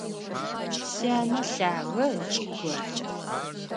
Сянэ лъагэ ыкӏи гохьы.